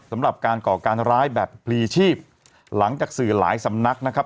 สำหรับการก่อการร้ายแบบพลีชีพหลังจากสื่อหลายสำนักนะครับ